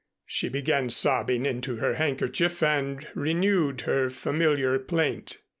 She began sobbing into her handkerchief and renewed her familiar plaint.